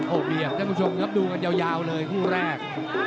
เอาเบียบท่านผู้ชมครับดูกันยาวเลยคู่แรก